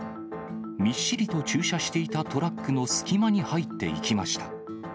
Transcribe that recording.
みっしりと駐車していたトラックの隙間に入っていきました。